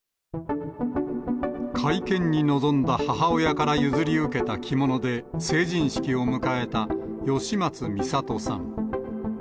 会見に臨んだ母親から譲り受けた着物で成人式を迎えた、吉松弥里さん。